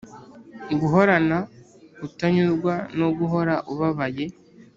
guhorana kutanyurwa no guhora ubabaye